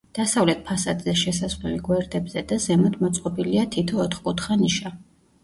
დასავლეთ ფასადზე შესასვლელი გვერდებზე და ზემოთ მოწყობილია თითო ოთხკუთხა ნიშა.